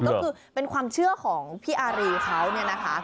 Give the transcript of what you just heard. ก็คือเป็นความเชื่อของพี่อารีเขาเนี่ยนะคะ